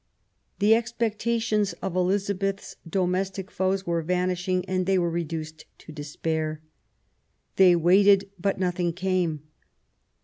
The expectations of Elizabeth's domestic foes were vanishing, and they were reduced to despair. They waited, but nothing came.